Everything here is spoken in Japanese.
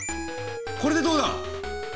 これでどうだ？